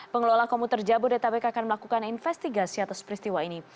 pengelola komuter jabodetabek akan melakukan investigasi atas peristiwa ini